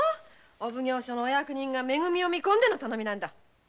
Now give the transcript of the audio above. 奉行所の役人がめ組を見込んでの頼みなんだ。